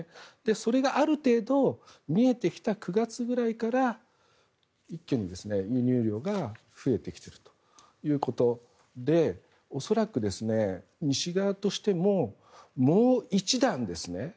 それがある程度見えてきた９月ぐらいから一気に輸入量が増えてきたということで恐らく、西側としてももう一段